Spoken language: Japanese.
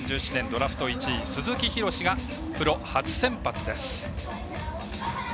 ドラフト１位鈴木博志がプロ初先発です。